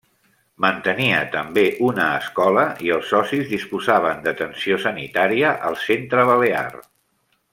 Mantenia també una escola i els socis disposaven d'atenció sanitària al Centre Balear.